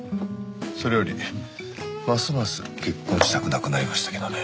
それよりますます結婚したくなくなりましたけどね。